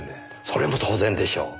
それも当然でしょう。